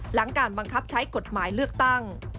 หลังการบังคับใช้กฎหมายเลือกตั้ง